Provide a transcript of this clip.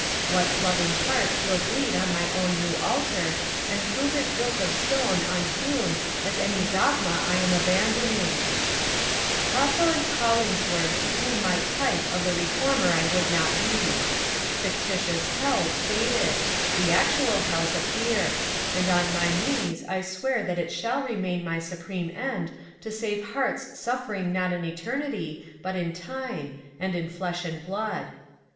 What loving hearts will bleed on my own new altar, and prove it built of stone unhewn as any dogma I am abandoning? Hawthorne's "HoUingsworth" became my type of the re former I would not be. Fictitious hells faded, the actual hells appear ; and on my knees I swear that it shall remain my supreme end to save hearts suffering not in eternity but in time, and in flesh and blood.